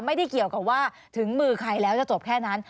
ไม่ได้เกี่ยวกับว่าถึงมือใครแล้วจะจบแค่นั้น